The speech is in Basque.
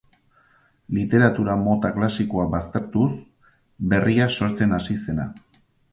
Literatura mota klasikoak baztertuz, berriak sortzen hasi zena.